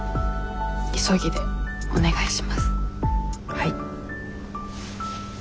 はい。